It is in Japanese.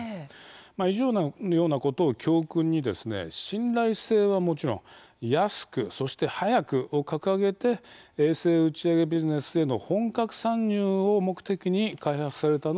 以上のようなことを教訓に信頼性はもちろん安く、そして早くを掲げて衛星打ち上げビジネスへの本格参入を目的に開発されたのがＨ３なんです。